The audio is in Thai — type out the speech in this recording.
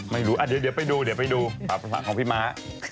ไม่รู้อ่ะเดี๋ยวไปดูภาพภาพของพี่ม้า